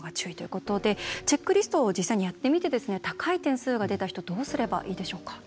チェックリストを実際にやってみて高い点数が出た人どうすればいいでしょうか。